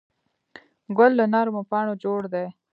ګل له نرمو پاڼو جوړ دی.